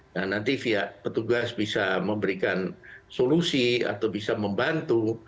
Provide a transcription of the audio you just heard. dan nanti via petugas bisa memberikan solusi atau bisa membantu